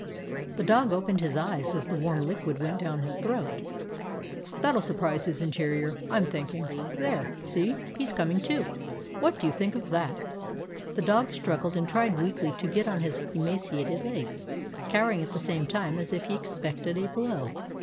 The dog opened his eyes as the warm liquid went down his throat. "That 'll surprise his interior, I 'm think ing. There, see! He's coming to. What do you think of that?" The dog struggled and tried weakly to get on his emaciated legs, cowering at the same time, as if he expected a blow.